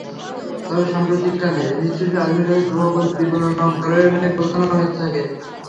তবে সাম্প্রতিককালে মৃৎশিল্পে আধুনিকতার প্রভাব বলতে বিপণন অলংকরণকেই বোঝানো হয়ে থাকে।